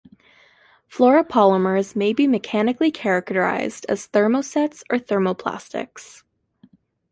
Fluoropolymers may be mechanically characterized as thermosets or thermoplastics.